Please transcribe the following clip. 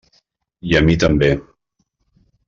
I a mi també.